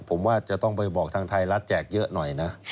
ผมว่าจะต้องไปบอกทางไทยรัฐแจกเยอะหน่อยนะ